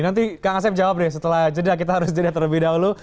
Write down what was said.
nanti kang asep jawab deh setelah jeda kita harus jeda terlebih dahulu